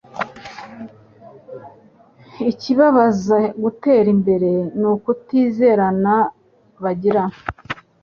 Ikibabuza gutera imbere nukutizerana bagira